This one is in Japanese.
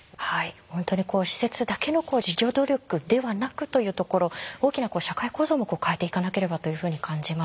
本当に施設だけの自助努力ではなくというところ大きな社会構造も変えていかなければというふうに感じます。